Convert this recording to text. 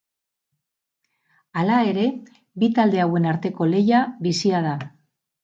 Hala ere, bi talde hauen arteko lehia bizia da.